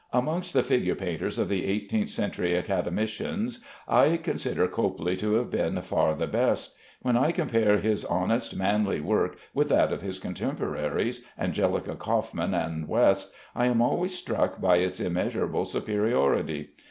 Amongst the figure painters of the eighteenth century academicians, I consider Copley to have been far the best. When I compare his honest, manly work with that of his contemporaries, Angelica Kaufman and West, I am always struck by its immeasurable superiority.